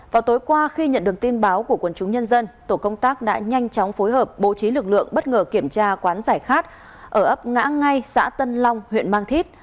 vào tối qua khi nhận được tin báo của quân chúng nhân dân tổ công tác đã nhanh chóng phối hợp bố trí lực lượng bất ngờ kiểm tra quán giải khát ở ấp ngã ngay xã tân long huyện mang thít